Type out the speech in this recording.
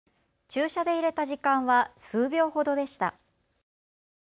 注射で入れた時間は数秒ほどでした。